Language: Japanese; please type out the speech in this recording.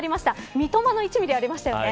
三笘の１ミリ、ありましたね。